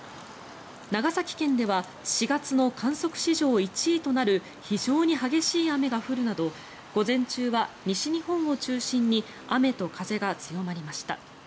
長崎県では４月の観測史上１位となる非常に激しい雨が降るなど午前中は西日本を中心に雨と風が強まりました。